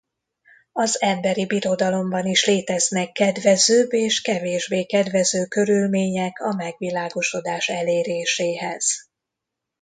Az emberi birodalomban is léteznek kedvezőbb és kevésbé kedvező körülmények a megvilágosodás eléréséhez.